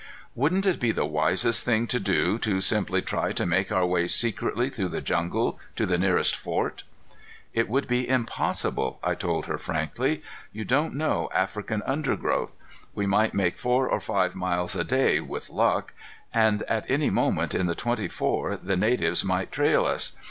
"Wouldn't it be the wisest thing to do, to simply try to make our way secretly through the jungle to the nearest fort?" "It would be impossible," I told her frankly. "You don't know African undergrowth. We might make four or five miles a day, with luck. And at any moment in the twenty four the natives might trail us.